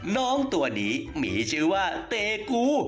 น้องตัวนี้มีชื่อว่าเตกู